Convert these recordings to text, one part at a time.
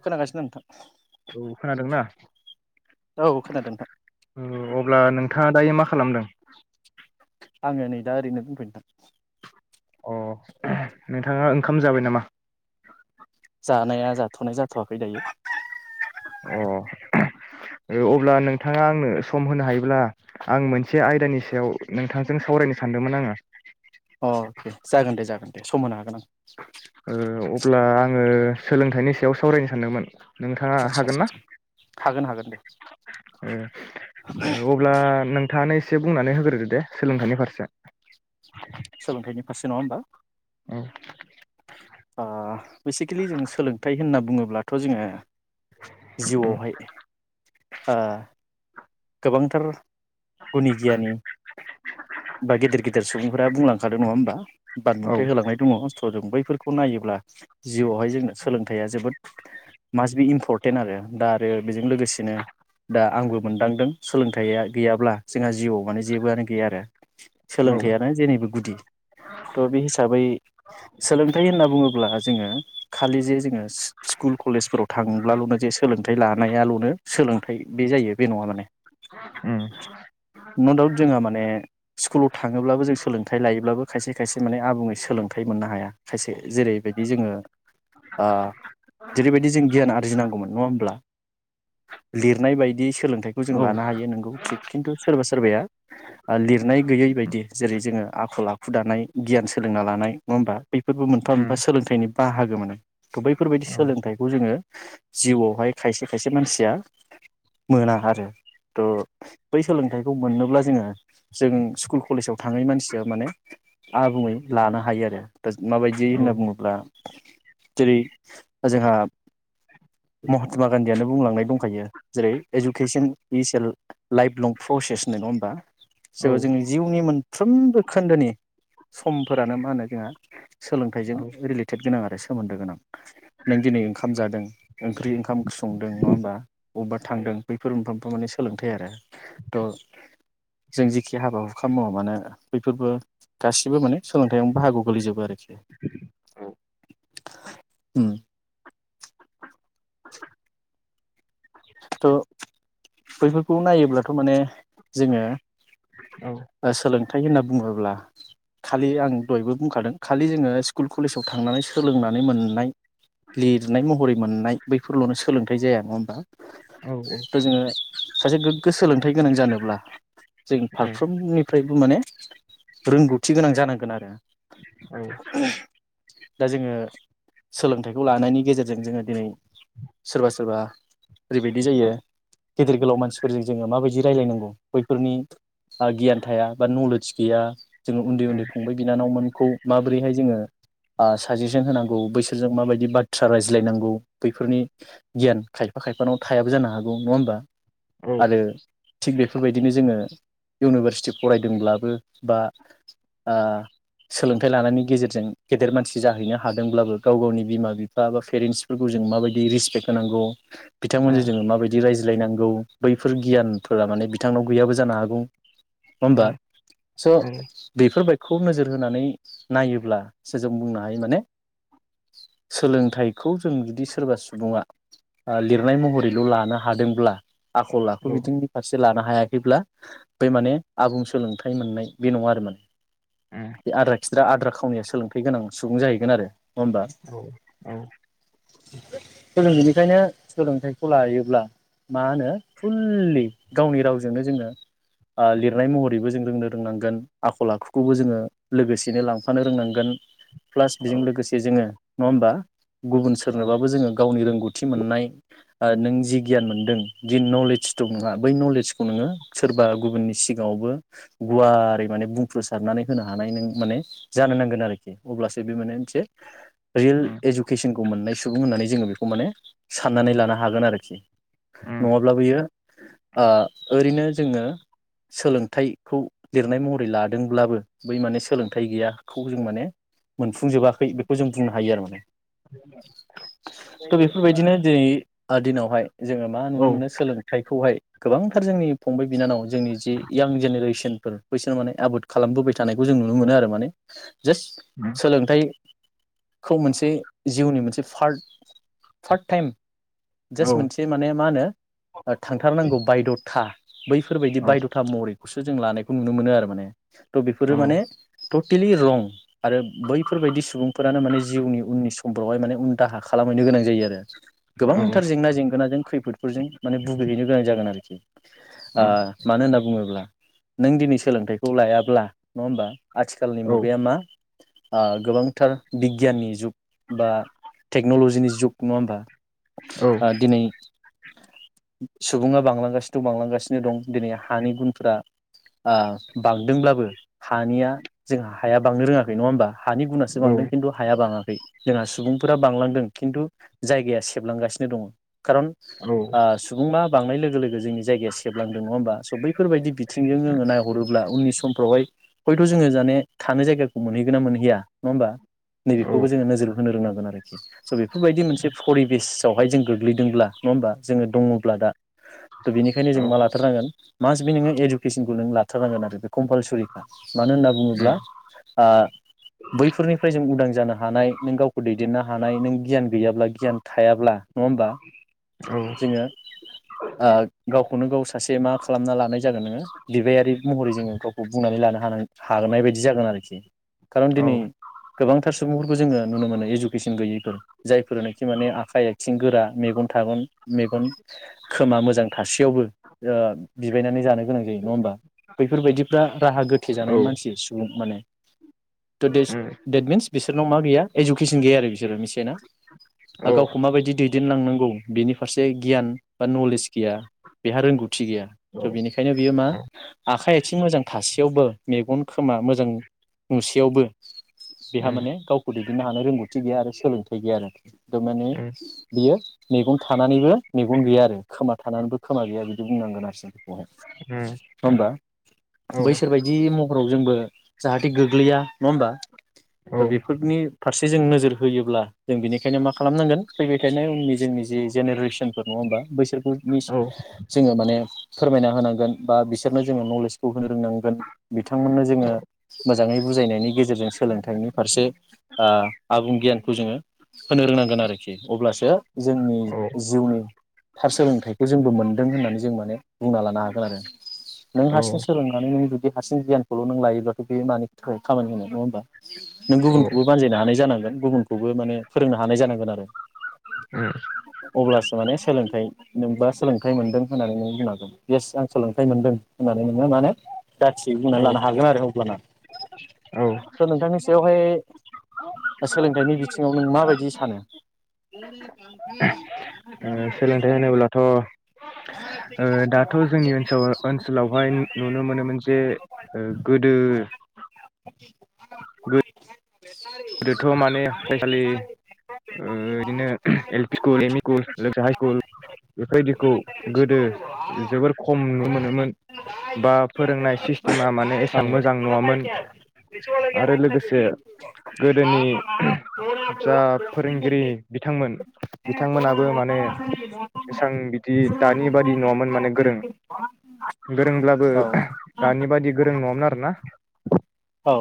खोनागासिनो नोंथां औ खोनादोंना? औ खोनादों नोंथां। औ अब्ला नोंथाङा दायो मा खालामदों? आङो नै दा ओरैनो दंथ'यो नोंथां। अ नोंथाङा ओंखाम जाबाय नामा? जानाया जाथ'नाय जाथ'वाखै दायो। अ अब्ला नोंथाङा आंनो सम होनो हायोब्ला आं मोनसे आयदानि सायाव नोंथांजों सावरायनो सानदोंमोन आङो अ दे जागोन दे जागोन दे सम होनो हागोन आं ओ अब्ला आङो सोलोंथाइनि सा याव सावरायनो सानदोंमोन नोंथाङा आदसा हागोन आदसा ना आदसा हागोन हागोन दे ए अब्ला नों थांआनो एसे बुंनानै होग्रोदो दे सोलोंथाइनि फारसे सोलोंथाइनि फारसे नङा होमबा औ अ बेसिकेलि जों सोलोंथाइ होनना बु बुङोब्लाथ' जोङो उम जिउआवहाय आ गोबांथार गुनि गियानि बा गेदिर गेदिर सुबुंफोरा बुंलांखादों नङा होमबा औ बानबुंथाय होलांनाय दङ स जों बै बेफोरखौ नायोब्ला जिउआवहाय जोंनो सोलोंथाया जोबोद मास बि इम्परटेन्ट आरो दा आरो बेजों लोगोसेनो दा आंबो मोनदांदों सोलोंथाया गैयाब्ला जोंहा जिउआव माने जेबोआनो गैया आरो औ सोलोंथायानो जेनिबो गुदि थ बे हिसाबै सोलोंथाइ होनना बुङोब्ला जोङो खालि जे जोङो स्कुल कलेजफोराव थांब्लाल'नो जे सोलोंथाइ लानायाल'नो सोलोंथाइ बे जायो बे नङा माने उम न दाउट जोंङो माने स्कुलाव थाङोब्लाबो जों सोलोंथाइ लायोब्लाबो खायसे खायसे माने आबुङै सोलोंथाइ मोननो हाया खायसे जेरैबायदि जोङो आ जेरैबायदि जों गियान आरजिनांगौमोन नङा होमब्ला लिरनाय बायदि सोलोंथाइ जों औ लानो हायो नोंगौ थिग खिन्थु सोरबा सोरबाया लिरनाय गैयै बायदि जेरै जोङो आखल आखु दानाय गियान सोलोंना लानाय नङा होमबा बैफोरबो मोनफा उम मोनफा सोलोंथाइनि बाहागो मोनो थ' बैफोरबायदि औ सोलोंथाइखौ जोङो जिउआवहाय खायसे खायसे मानसिया मोना आरो थ' बै सोलोंथाइखौ मोननोब्ला जोङो जों स्कुल कलेजाव थाङै मानसिया माने आबुङै लानो हायो आरो दा माबायदि औ होनना बुङोब्ला जेरै जोंहा महात्मा गान्धियानो बुंलांनाय दंखायो जेरै education is a life long process होननाय नङा होमबा औ जेराव जोंनि जिउनि मोनफ्रोमबो खोन्दोनि समफोरानो मा होनो जोंहा सोलोंथाइजों रिलेटेद गोनां आरो सोमोन्दो गोनां नों दिनै ओंखाम जादों ओंख्रि ओंखाम ओंख्रि संदों नङा होमबा अबबा थांदों बैफोर मोनफा बो माने सोलोंथाइ आरो थ जों जेखि हाबा हुखा मावा मानोे बैफोरबो गासिबो माने सोलोंथायाव बाहागोयावनो गोलैजोबो आरोखि ओम थ' बैफोरखौ नायोब्लाथ' माने जोङो औ ओ सोलों थाय होनना बुङोब्ला खालि आं दहायबो बुंखादों खालि जोङो स्कुल कलेजाव थांनानै सोलोंनानै मोननाय लिरनाय महरै मोननाय बैफोरल'नो सोलोंथाइ जाया नङा होमबा औ-औ थ' जोङो सासे गोग्गो सोलोंथाइ गोनां जानोब्ला जों फारफ्रोमनिफ्रायबो माने रोंगौथि गोनां जानांगोन आरो दा जोङो सोलोंथाइखौ लानायनि गेजेरजों जोङो दिनै सोरबा सोरबा ओरैबायदि जायो गेदेर गोलाव मानसिफोरजों जोङो माबायदि रायलायनांगौ बैफोरनि आ गियान थाया बा नलेज गैया जोङो उन्दै उन्दै फंबाय बिनानावमोनखौ माबोरैहाय जोङो आ साजेसन होनांगौ बैसोरजों माबायदि बाथ्रा रायज्लायनांगौ बैफोरनि गियान खायफा खायफानाव थायाबो जानो हागौ नङा होमबा औ आरो थिक बे फोरबायदिनो जोङो इउनिभारसिटि फरायदोंब्लाबो बा ओ सोलोंथाइ लानायनि गेजेरजों गेदेर मानसि जाहैनो हादोंब्लाबो गाव गावनि बिमा-बिफा बा पेरेन्टसफोरखौ जों माबायदि रिसपेक्ट होनांगौ औ बिथांमोनजों जोङो माबायदि रायज्लायनांगौ बैफोर गियानफोरा माने बिथांनाव गैयाबो जानो हागौ नङा होमबा सोलोंथाइ स' बेफोरबायखौ नोजोर होनानै नायोब्ला सो जों बुंनो हायो माने सोलोंथाइखौ जों जुदि सोरबा सुबुङा आ लिर नाय महरैल' लानो हादोंब्ला आखल आखु बिथिंनि फारसे लानो हायाखैब्ला बे माने आबुं सोलोंथाइ मोननाय बे नङा आरो माने बे आद्रा खिद्रा आद्रा खावनिया सोलोंथाइ गोनां सुबुं जाहैगोन आरो नङा होमबा सोलों बेनिखायनो सोलोंथाइखौ लायोब्ला मा होनो फुललि गावनि रावजोंनो जोङो ओ लिरनाय महरैबो जों रोंनो रोंनांगोन आखल-आखुखौबो जोङो लोगोसेनो लांफानो रोंनांगोन प्लास बिजों लोगोसे जोङो नङा होमबा गुबुन सोरनोबाबो जोङो गावनि रोंगौथि मोननाय ओ नों जि गियान मोनदों जि नलेज दं नोंहा बै नलेजखौ नोङो सोरबा गुबुननि सिगाङावबो गुवारै माने बुंफ्रुसारनानै होनो हानाय नों माने जानो नांगोन आरो अब्लासो बे माने मोनसे रियेल इडुकेसनखौ मोननाय सुबुं होननानै जोङो बेखौ माने साननानै लानो हागोन आरोखि नङाब्ला बैयो ओ ओरैनो जोङो सोलोंथाइ खौ लिरनाय महरै लादोंब्लाबो बै माने सोलोंथाइ गैयाखौ जों माने मोनफुंजोबाखै बेखौ जों बुंनो हायो आरो माने थ' बेफोरबायदिनो [unintelligible] दिनावहाय जोङो मा नुनो मोनो सोलोंथाइखौहाय गोबांथार जोंनि फंबाय बिनानाव जोंनि जि यां जेनेरेसनफोर बैसोर माने आबोद खालामबोबाय थानायखौ जों नुनो मोनो आरो माने जास्ट सोलोंथाइ खौ मोनसे जिउनि मोनसे फार्ट फार्ट टाइम जास्ट मोनसे माने मा होनो थांथारनांगौ बायद'था बैफोरबायदि बायद'था महरैखौसो जों लानायखौ नुनो मोनो आरो माने थ' बेफोरो माने टटेलि रं आरो बैफोरबायदि सुबुंफोरानो माने जिउनि उननि समफ्रावहाय माने उन दाहा खालामहैनो गोनां जायो आरो गोबांथार जेंना जेंगोनाजों खैफोदफोरजों माने भुगिहैनो गोनां जागोन आरो ओ मानो होनना बुङोब्ला नों दिनै सोलोंथाइखौ लायाब्ला नङा होमबा आथिखालनि मुगाया मा ओ गोबांथार बिगियाननि जुग बा टेक्न'लजिनि जुग नङा होमबा ओ दिनै सुबुङा बांलांगासिथ' बांलांगासिनो दं दिनै हानि गुनफोरा ओ बांदोंब्लाबो हानिया जों हाया बांनो रोङाखै नङा होमबा हानि गुनासो बांदों खिनथु हाया बाङाखै जोंहा सुबुंफोरा बांलांदों खिनथु जायगाया सेबलांगासिनो दङ' खारन ओ सुबुङा बांनाय लोगो लोगो जोंनि जायगाया सेबलांदों नङा होमबा स' बैफोरबायदि बिथिंजों जोङो नायहरोब्ला उननि समफ्रावहाय हयथ' जोङो जाने थानो जायगाखौ मोनहैगोन ना मोनहैया नङा होमबा नैबेखौबो जोङो नोजोर होनो रोंनांगोन आरोखि स' बेफोरबायदि मोनसे फरि बिस सावहाय जों गोग्लैदोंब्ला नङा होमबा जोङो दङ'ब्ला दा त' बेनिखायनो जों मा लाथारनांगोन मास बि नोङो इडुकेसनखौ नों लाथारनांगोन आरो बे कम्पालसरिखा मानो होनना बुङोब्ला ओ बैफोरनिफ्राय जों उदां जानो हानाय नों गावखौ दैदेननो हानाय नों गियान गैयाब्ला गियान थायाब्ला नङा होमबा जोङो ओ गावखौनो गाव सासे मा खालामना लानाय जागोन नोङो बिबायारि महरै जोङो गावखौ बुंनानै लानो हानां हानाय बायदि जागोन आरोखि कारन दिनै गोबांथार सुबुंफोरखौ जोङो नुनो मोनो इडुकेसन गैयैफोर जायफोरनो खि माने आखाइ आथिं गोरा मेगन थागन मेगन खोमा मोजां थासेयावबो ओ बिबायनानै जानो गोनां जायो नङा होमबा बैफोरबायदिफ्रा राहा गो थेजानाय मानसि सुबुं माने तु देट मिन्स बिसोरनाव मा गैया इडुकेसन गैया आरो बिसोरो गावखौ माबायदि दैदेनलांनांगौ बेनि फारसे गियान बा नलेज गैया। बेहा रोंगौथि गैया स बेनिखायनो बियो मा आखाइ आथिं मोजां थासेयावबो मेगन खोमा मोजां नुसेयावबो बेहा माने गावखौ दैदेननो हानाय रोंगौथि गैया आरो सोलोंथाइ गैया आरो। थारमाने बियो मेगन थानानैबो मेगन गैया आरो खोमा थानानैबो खोमा गैया बिदि बुंनांगोन आरो नङा होमबा बैसोर बायदि महराव जोंबो जाहाथे गोग्लैया नङा होमबा दा बेफोरनि फारसे जों नोजोर होयोब्ला जों बेनिखायनो माखा खालामनांगोन फैबाय थानाय उननि जोंनि जि जेनेरेसनफोर नङा होमबा बैसोरखौनि जोङो माने फोरमायना होनांगोन बा बिसोरनो जोङो नलेजखौ होनो रोंनांगोन। बिथांमोननो जोङो मोजाङै बुजायनायनि गेजेरजों सोलोंथाइनि फारसे ओ आबुं गियानखौ जोङो होनो रोंनांगोन। आरोखि अब्लासो जोंनि जिउनि थार सोलोंथाइखौ जोंबो मोनदों होननानै जों माने बुंना लानो हागोन आरो नों हारसिं सोलोंनानै नों जुदि हारसिं गियानखौल नों लायोब्लाथ बे मानि थाखाय खामानि होनो नङा होमबा नों गुबुनखौबो बानजायनो हानाय जानांगोन गुबुनखौबो माने फोरोंनो हानाय जानांगोन। अब्लासो माने सोलोंथाइ नोंबा सोलोंथाइ मोनदों होननानै नों बुंनो हागोन येस आं सोलोंथाइ मोनदों होननानै नोङो माने दा थियै बुंनानै लानो हागोन आरो अब्लाना स' नोंथांनि सायावहाय सोलोंथाइनि बिथिङाव नों माबायदि सानो? [unintelligible] सोलोंथाइ होनोब्लाथ ओ दाथ जोंनि ओनसोल ओनसोलावहाय नुनो मोनोमोन जमोनसे गोदो [unintelligible] गोदोथ माने फरायसालि ओ इदिनो L P school ME school high school बेफोरबायदिखौ गोदो जोबोर खम नुनो मोनोमोन बा फोरोंनाय सिस्टेमा माने एसां मोजां नुवामोन आरो लोगोसे गोदोनि जा फोरों गिरि बिथांमोन बिथांमोनाबो माने एसां बिदि दानि बादि नङामोन माने गोरों गोरोंब्लाबो दानि बादि गोरों नङामोन आरोना। औ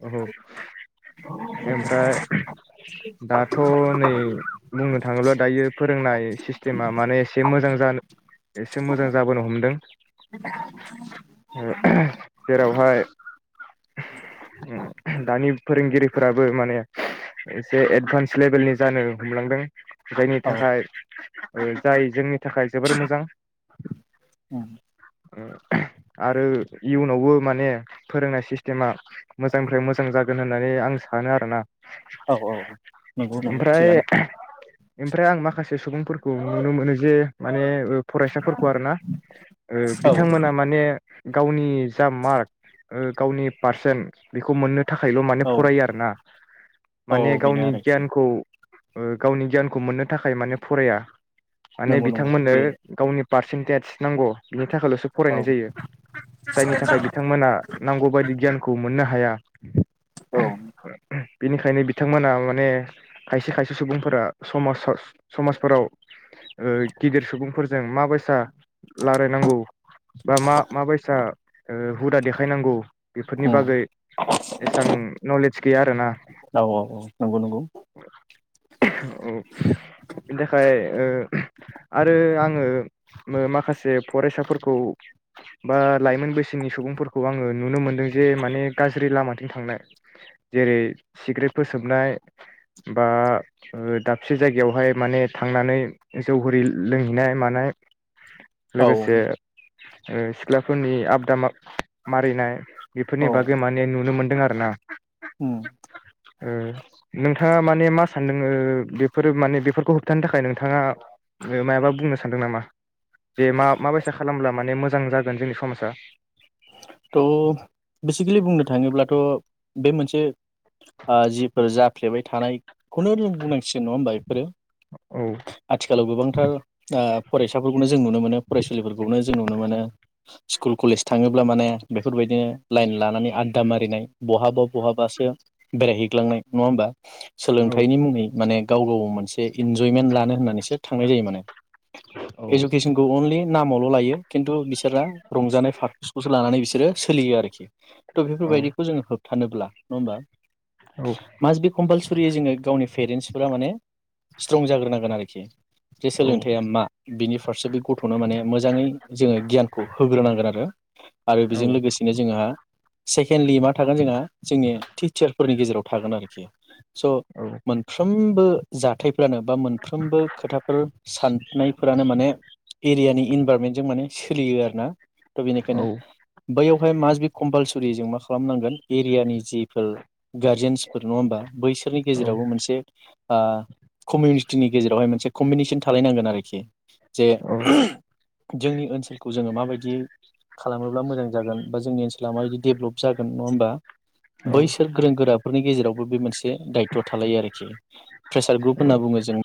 औ ओमफ्राय दाथ नै बुंनो थाङोब्ला दायो फोरोंनाय सिस्टेमा माने एसे मोजां जानो एसे मोजां जाबोनो हमदों जेरावहाय उम दानि फोरोंगिरिफोराबो माने एसे एडभान्स लेभेलनि जानो हमलांदों। जायनि औ थाखाय औ जायो जोंनि थाखाय जोबोर मोजां। आरो इयुनावबो माने फोरोंनाय सिस्टेमा मोजांनिफ्राय मोजां मोजां जागोन होननानै आं सानो आरो ना औ औ नंगौ नंगौ थिगानो ओमफ्राय आं माखासे सुबुंफोरखौ नुनो मोनो जे माने फरायसाफोरखौ आरोना औ बिथांमोना माने गावनि जा मार्क गावनि पारसेन्ट बेखौ मोननो। थाखायल माने औ फरायो आरोना माने औ बेनो गावनि आरोखि गियानखौ गावनि गियानखौ मोननो थाखाय माने फराया। माने नंगौ नंगौ बिथांमोननो बे गावनि पारसेनन्टेज नांगौ। थाखायलसो औ फरायनाय जायो। जायनि थाखाय बिथांमोना नांगौ बायदि गियान खौ मोननो हाया। औ बेनिखायनो बिथांमोना माने खायसे खायसे सुबुंफोरा समाज समाजफोराव गिदिर सुबुंफोरजों माबायसा लाराययनांगौ बा मा माबायसा हुदा देखायनांगौ बेफोरनि बागै एसां नलेज गैया आरोना औ नंगौ नंगौ बिनि थाखाय आरो आङो माखासे फरायसाफोरखौ बा लाइमोन बैसोनि सुबुंफोरखौ आङो नुनो मोनदों जे माने गाज्रि लामाथिं थांनाय जेरै सिग्रेटफोर सोबनाय बा दाबसे जायगायावहाय माने थांनानै जौ हरि लोंहैनाय मानाय औ लोगोसे सिख्लाफोरनि आबदा मारिनाय बेफोरनि औ बागै माने नुनो मोनदों। आरो ना उम ओ नों नोंथाङा माने मा सानदों ओ बेफोरो माने बेफोरखौ होबथानो थाखाय नोंथाङा मायाबा बुंनो सानदों नामा? जे मा माबायसा खालामब्ला माने मोजां मोजां जागोन जोंनि समाजा थ' बेसिकेलि बुंनो थाङोब्लाथ' बे मोनसे जिफोर जाफ्लेबाय थानायखौनो जों बुंनांसिगोन नङा होमबा इफोरो औ आथिखालाव गोबांथार ओ फरायसाफोरखौ जों नुनो मोनो फरायसुलिफोरखौनो जों नुनो मोनो। स्कुल कलेज थाङोब्ला माने बेफोरबायदिनो लाइन लानानै आददा मारिनाय बहाबा बहाबासो बेरायहैग्लांनाय नङा होमबा? औ सोलोंथाइनि मुङै माने गाव गाव मोनसे इन्जयमेन्ट लानो होननानैसो थांनाय जायो माने। औ एडुकेसनखौ अनलि नामावल' लायो खिन्थु बिसोरा रंजानाय फारपसखौसो लानानै बिसोर बिसोरो सोलियो आरोखि थ' बेफोरबायदिखौ जोङो होबथानोब्ला नङा होमबा? औ मासबि कम्पालसन रियै जोङो गावनि पेरेन्सफोरा माने स्ट्रं जाग्रोनांगोन आरोखि जे औ सोलोंथाइया मा बिनि फारसे बे गथ'नो माने मोजाङै जोङो गियानखौ होग्रोनांगोन आरो। औ बेजों लोगोसेनो जोंहा सेकेन्डलि मा थागोन जोंहा जोंनि टिचारफोरनि गेजेराव थागोन आरोखि स' औ मोनफ्रोमबो जाथाय फोरानो बा मोनफ्रोमबो खोथाफोर साननायफोरानो माने एरियानि इभारमेन्टजों माने सोलियो आरोना थ' बेनिखायनो बैयावहाय माजबि ख कम्पालसरि जों मा खालामनांगोन एरियानि जिफोर गारजेन्सफोर नङा होमबा बैसोरनि औ गेजेरावबो मोनसे आ कमिउनिटिनि गेजेरावहाय मोनसे कम्बिनेसन थालायनांगोन आरोखि। जे औ [unintelligible] जोंनि ओनसोलखौ जोङो माबायदि खालामोब्ला मोजां जागोन बा जोंनि ओनसोला माबायदि डेभलप जागोन नङा होमबा औ बैसोर गोरों गोराफोरनि गेजेरावबो बे मोनसे दायथ थालायो आरोखि प्रेसार ग्रुप औ होनना बुङो जों